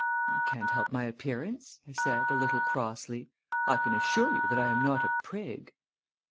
"I can't help my appearance," I said, a little crossly. "I can assure you that I am not a prig."